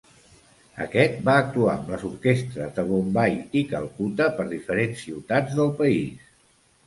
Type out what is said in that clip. Aquest va actuar amb les orquestres de Bombai i Calcuta per diferents ciutats del país.